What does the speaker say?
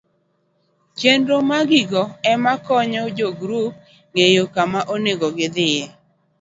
Chenro ma gigo ema konyo jogrup ng'eyo kama onego gidhiye